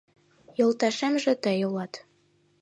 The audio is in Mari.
Йолташемже тый улат.